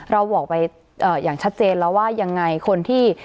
เราบอกไปอย่างชัดเจนแล้วว่ายังไงคนที่